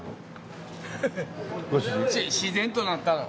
自然となったの。